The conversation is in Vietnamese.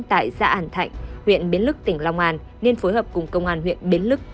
tại xã ản thạnh huyện biến lức tỉnh long an nên phối hợp cùng công an huyện biến lức